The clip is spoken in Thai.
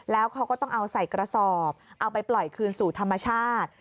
แล้วเขาก็ต้องเอาใส่กระสอบเอาไปปล่อยคืนสู่ธรรมชาติ